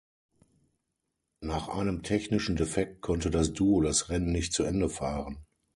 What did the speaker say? Nach einem technischen Defekt konnte das Duo das Rennen nicht zu Ende fahren.